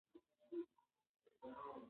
دا دود تر اوسه ژوندی دی.